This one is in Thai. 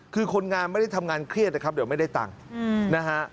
คือคนงานไม่ได้ทำงานเครียดนะครับเดี๋ยวไม่ได้ตังค์นะฮะ